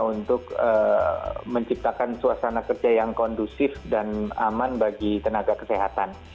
untuk menciptakan suasana kerja yang kondusif dan aman bagi tenaga kesehatan